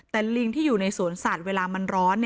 แต่ลิงที่อยู่ในสวนสัตว์เวลามันร้อน